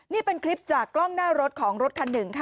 นี่เป็นคลิปจากกล้องหน้ารถของรถคันหนึ่งค่ะ